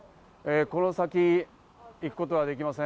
この先、行くことはできません。